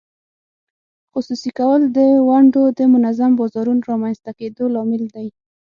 خصوصي کول د ونډو د منظم بازارونو رامینځته کېدو لامل دی.